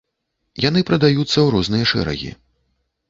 Яны прадаюцца ў розныя шэрагі.